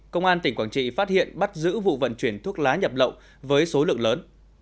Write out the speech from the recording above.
công an tỉnh quảng trị phát hiện bắt giữ vụ vận chuyển thuốc lá nhập lậu với số lượng lớn